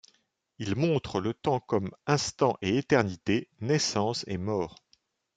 Il montre le temps comme instant et éternité, naissance et mort.